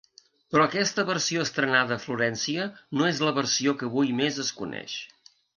Però aquesta versió estrenada a Florència no és la versió que avui més es coneix.